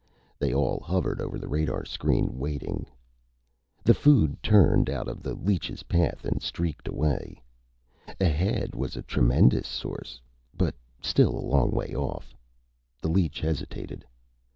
They all hovered over the radar screen, waiting. The food turned out of the leech's path and streaked away. Ahead was a tremendous source, but still a long way off. The leech hesitated.